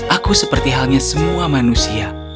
aku seperti halnya semua manusia